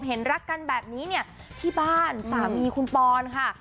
เห็นรักกันแบบนี้เนี่ยที่บ้านสามีคุณปอนค่ะ